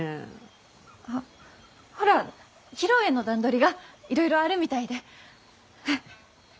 あっほら披露宴の段取りがいろいろあるみたいで。